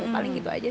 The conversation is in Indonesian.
paling gitu aja sih